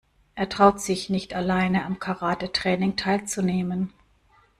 Er traut sich nicht alleine am Karatetraining teilzunehmen.